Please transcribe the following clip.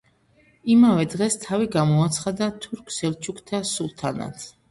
იმავე დღეს თავი გამოაცხადა თურქ-სელჩუკთა სულთნად.